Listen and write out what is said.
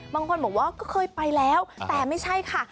บางคนบอกว่าก็เคยไปแล้วแต่ไม่ใช่ค่ะ